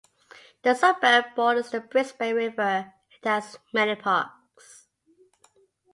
The suburb borders the Brisbane River and has many parks.